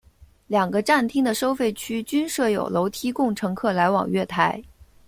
两个站厅的收费区均设有楼梯供乘客来往月台。